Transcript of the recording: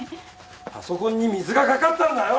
パソコンに水が掛かったんだよ！